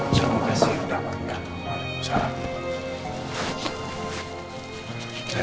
terima kasih sudah mengangkat